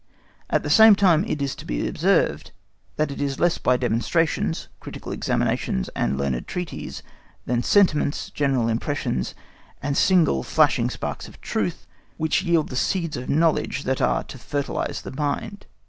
—At the same time it is to be observed, that it is less demonstrations, critical examinations, and learned treatises, than sentiments, general impressions, and single flashing sparks of truth, which yield the seeds of knowledge that are to fertilise the mind.